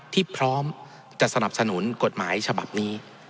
ที่พร้อมจะสนับสนุนกฎหมายฉบับนี้